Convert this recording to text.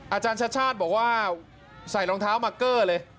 อาจารย์ชาติชาติบอกว่าใส่รองเท้ามาเกอร์เลย